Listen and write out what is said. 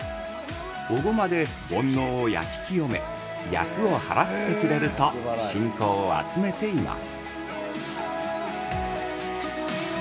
お護摩で、煩悩を焼き清め厄を払ってくれると信仰を集めています。